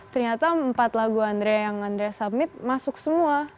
ternyata empat lagu andrea yang andrea summit masuk semua